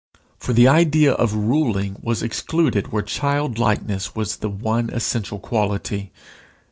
For the idea of ruling was excluded where childlikeness was the one essential quality.